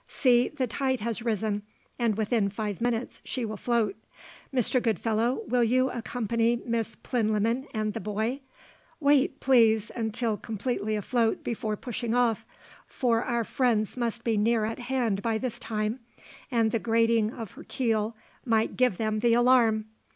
See, the tide has risen, and within five minutes she will float. Mr. Goodfellow, will you accompany Miss Plinlimmon and the boy? Wait, please, until completely afloat before pushing off; for our friends must be near at hand by this time, and the grating of her keel might give them the alarm.